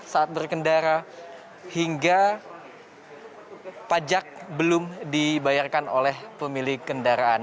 saat berkendara hingga pajak belum dibayarkan oleh pemilik kendaraan